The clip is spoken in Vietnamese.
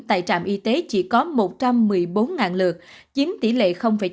tại trạm y tế chỉ có một trăm một mươi bốn lượt chiếm tỷ lệ chín